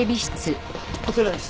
こちらです。